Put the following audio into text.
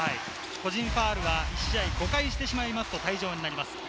個人ファウルは１試合５回すると退場になります。